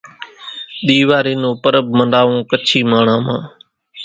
ۮيواري نون پرٻ مناوون ڪڇي ماڻۿان مان